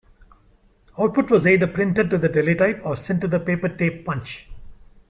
Output was either printed to the Teletype or sent to the paper tape punch.